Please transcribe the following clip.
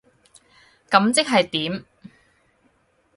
噉即係點？